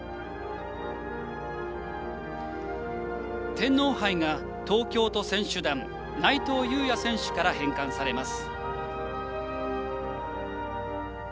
天皇杯が東京都選手団ないとうゆうや選手から返還されます。